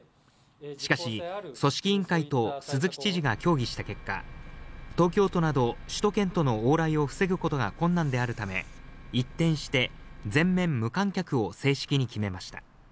しかし、組織委員会と鈴木知事が協議した結果、東京都など首都圏との往来を防ぐことが困難であるため、一転して、全面無観客を正式に決めました。